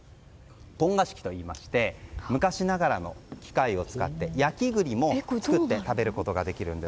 ポン菓子機といいまして昔ながらの機械を使って焼き栗を食べることができるんです。